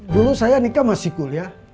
dulu saya nikah masih kuliah